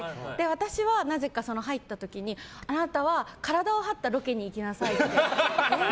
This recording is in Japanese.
私はなぜか入った時にあなたは体を張ったロケに行きなさいって言われて。